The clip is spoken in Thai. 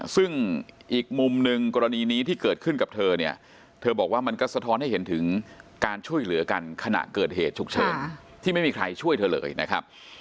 ซึ่งอีกมุมหนึ่งกรณีนี้ที่เกิดขึ้นกับเธอเนี่ยเธอบอกว่ามันก็สะท้อนให้เห็นถึงการช่วยเหลือกันขณะเกิดเหตุฉุกเฉินที่ไม่มีใครช่วยเธอเลยนะครับ